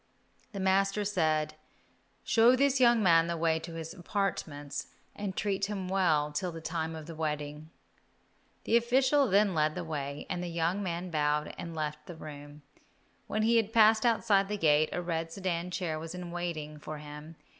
The master said, "Show this young man the way to his apartments and treat him well till the time of the wedding." The official then led the way, and the young man bowed as he left the room. When he had passed outside the gate, a red sedan chair was in waiting for him.